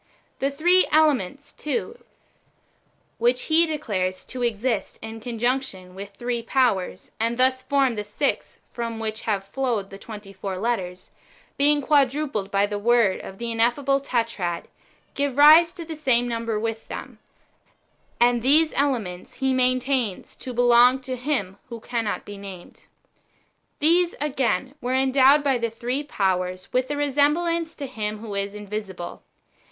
The three elements, too (which he declares to exist in conjunction with three powers,^ and thus form the six from which have flowed the twenty four letters), being quadrupled by the word of the ineffable Tetrad, give rise to the same number with them ; and these elements he maintains to belong to Him who can not be named. These, again, were endowed by the three powers with a resemblance to Him who is invisible.